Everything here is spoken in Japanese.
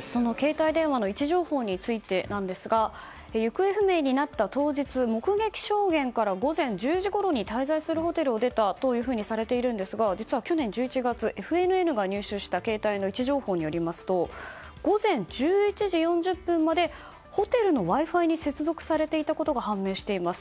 その携帯電話の位置情報についてですが行方不明になった当日目撃証言から午前１０時ごろに滞在するホテルを出たとされていますが実は去年１１月ＦＮＮが入手した携帯の位置情報によりますと午前１１時４０分までホテルのＷｉ‐Ｆｉに接続されていたことが判明しています。